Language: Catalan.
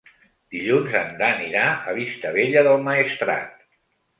Dilluns en Dan irà a Vistabella del Maestrat.